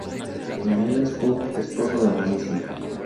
Daniel Scout, esposo de la misma.